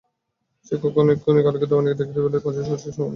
সেই ক্ষণিক আলোকে দামিনী দেখিতে পাইল, শচীশ নদীর ধারে দাঁড়াইয়া।